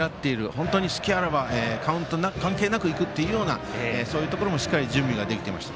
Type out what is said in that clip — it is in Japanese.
本当に隙あらばカウント関係なくいくというようなそういうところもしっかり準備ができていました。